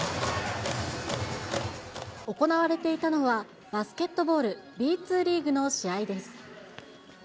行われていたのは、バスケットボールＢ２リーグの試合です。